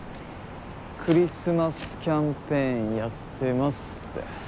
クリスマスキャンペーンやってますって。